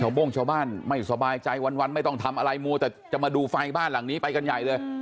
โบ้งชาวบ้านไม่สบายใจวันไม่ต้องทำอะไรมัวแต่จะมาดูไฟบ้านหลังนี้ไปกันใหญ่เลย